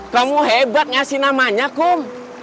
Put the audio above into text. kamu hebat ngasih namanya kom